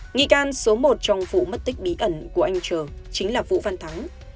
nghị can số một trong vụ mất tích bí ẩn của anh trờ chính là vũ văn thắng